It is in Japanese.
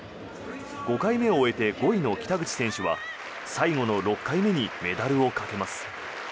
５回目を終えて５位の北口選手は最後の６回目にメダルをかけます。